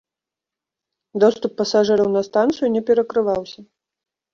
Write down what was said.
Доступ пасажыраў на станцыю не перакрываўся.